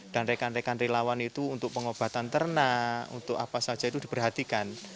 dan rekan rekan relawan itu untuk pengobatan ternak untuk apa saja itu diperhatikan